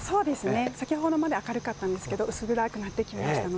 先程まで明るかったんですが薄暗くなってきたので。